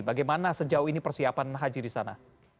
bagaimana sejauh ini persiapan haji di sana